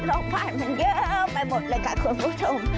ขยันลองผ่านมันเยอะไปหมดเลยค่ะคุณผู้ชม